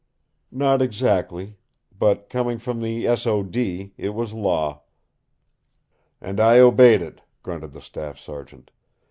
"Not exactly. But, coming from the S.O.D., it was law." "And I obeyed it," grunted the staff sergeant.